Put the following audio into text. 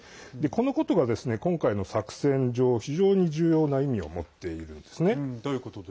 このことが、今回の作戦上非常に重要な意味を持っているんですね。